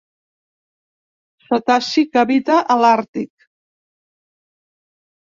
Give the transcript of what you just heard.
Cetaci que habita a l'àrtic.